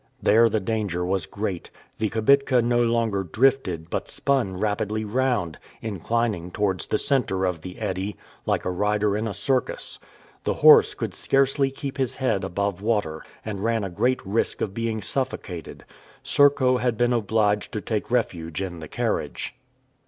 There the danger was great. The kibitka no longer drifted, but spun rapidly round, inclining towards the center of the eddy, like a rider in a circus. The horse could scarcely keep his head above water, and ran a great risk of being suffocated. Serko had been obliged to take refuge in the carriage.